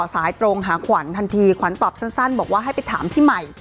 สายตรงหาขวัญทันทีขวัญตอบสั้นบอกว่าให้ไปถามพี่ใหม่